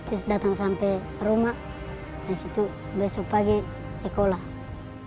terus datang sampai rumah disitu besok pagi sekolah